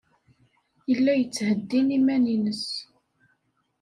Yella yettheddin iman-nnes.